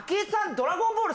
「ドラゴンボール」